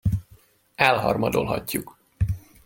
Elharmadolhatjuk.